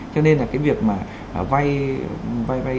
cho nên là cái việc mà vay